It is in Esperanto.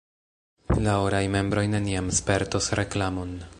La oraj membroj neniam spertos reklamon.